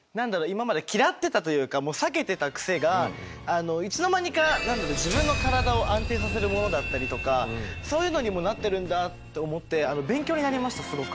今まで嫌ってたというか避けてたクセがいつの間にか何だろう自分の体を安定させるものだったりとかそういうのにもなってるんだと思って勉強になりましたすごく。